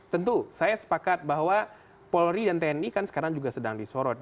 tentu saya sepakat bahwa polri dan tni kan sekarang juga sedang disorot